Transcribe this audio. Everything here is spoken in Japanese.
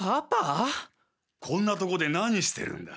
こんなとこで何してるんだ。